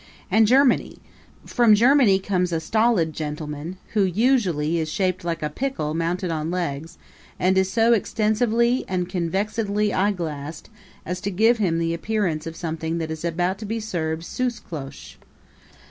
And Germany: From Germany comes a stolid gentleman, who, usually, is shaped like a pickle mounted on legs and is so extensively and convexedly eyeglassed as to give him the appearance of something that is about to be served sous cloche.